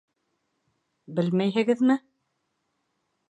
Белмәйһегеҙме?